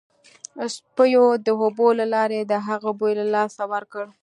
سپیو د اوبو له لارې د هغه بوی له لاسه ورکړ